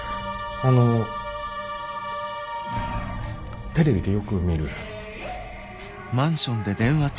あのテレビでよく見る。